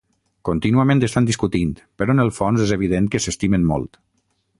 Contínuament estan discutint però en el fons és evident que s'estimen molt.